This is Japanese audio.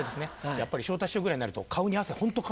やっぱり昇太師匠ぐらいになると顔に汗ホントかかないですもんね。